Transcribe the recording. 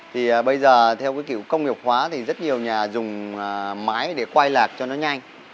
thì bây giờ theo cái kiểu công nghiệp hóa thì rất nhiều nhà dùng máy để quay lạc cho nó nhanh